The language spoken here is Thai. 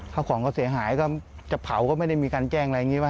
ข้าวของก็เสียหายก็จะเผาก็ไม่ได้มีการแจ้งอะไรอย่างนี้ป่